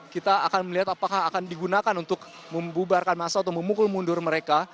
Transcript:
kita akan melihat apakah akan digunakan untuk membubarkan masa atau memukul mundur mereka